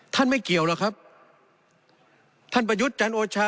ท่านไม่เกี่ยวหรือครับท่านประยุทธ์จันทร์โอชา